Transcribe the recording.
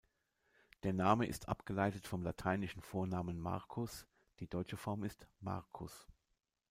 Der Name ist abgeleitet vom lateinischen Vornamen "Marcus"; die deutsche Form ist Markus.